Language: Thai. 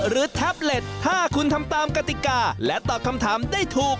แท็บเล็ตถ้าคุณทำตามกติกาและตอบคำถามได้ถูก